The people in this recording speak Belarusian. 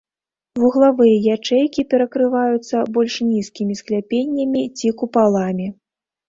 Вуглавыя ячэйкі перакрываюцца больш нізкімі скляпеннямі ці купаламі.